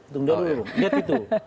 tunggu dulu tunggu dulu